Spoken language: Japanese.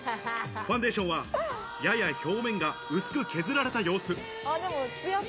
ファンデーションはやや表面が薄く削られた様子。